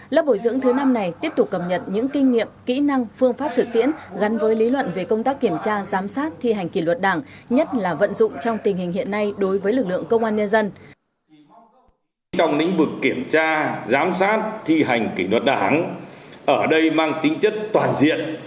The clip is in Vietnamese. lớp bồi dưỡng thứ năm này tiếp tục cập nhật những kinh nghiệm kỹ năng phương pháp thực tiễn gắn với lý luận về công tác kiểm tra giám sát thi hành kỷ luật đảng nhất là vận dụng trong tình hình hiện nay đối với lực lượng công an nhân dân